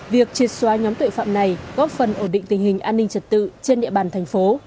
việc triệt xóa nhóm tội phạm này góp phần ổn định tình hình an ninh trật tự trên địa bàn thành phố